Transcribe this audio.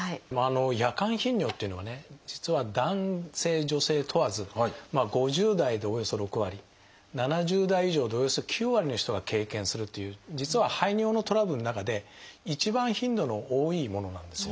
夜間頻尿というのはね実は男性女性問わず５０代でおよそ６割７０代以上でおよそ９割の人が経験するという実は排尿のトラブルの中で一番頻度の多いものなんですよ。